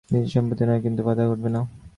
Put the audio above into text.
নিজের সম্পত্তি নয়, কিন্তু বাধা ঘটবে না।